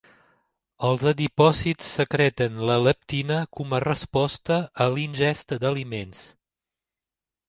Els adipòcits secreten la leptina com a resposta a la ingesta d'aliments.